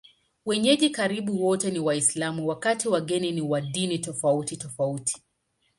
Wenyeji karibu wote ni Waislamu, wakati wageni ni wa dini tofautitofauti.